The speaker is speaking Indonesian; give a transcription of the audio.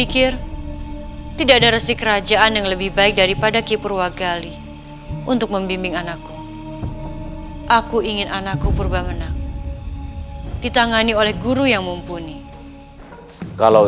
kau tidak akan pernah lagi menolak keinginan ibu